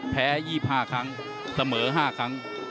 แพ้๒๕ครั้งเสมอ๕ครั้ง